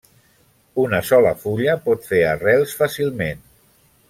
Una sola fulla pot fer arrels fàcilment.